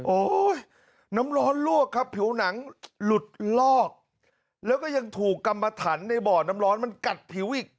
น้ำร้อนลวกครับผิวหนังหลุดลอกแล้วก็ยังถูกกรรมถันในบ่อน้ำร้อนมันกัดผิวอีก